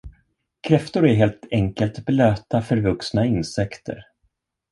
Kräftor är helt enkelt blöta, förvuxna insekter.